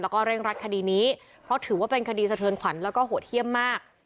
แล้วก็เร่งรัดคดีนี้เพราะถือว่าเป็นคดีสะเทือนขวัญแล้วก็โหดเยี่ยมมาก